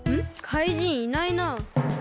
かいじんいないな。